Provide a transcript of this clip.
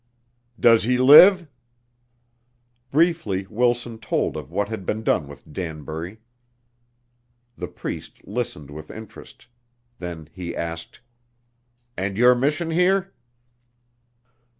"Does he live?" Briefly Wilson told of what had been done with Danbury. The Priest listened with interest. Then he asked: "And your mission here?"